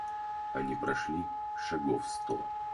Они прошли шагов сто.